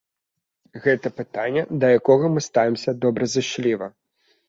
Гэта пытанне, да якога мы ставімся добразычліва.